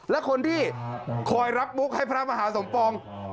และคนที่คอยรับมุกให้พระมหาสมปอง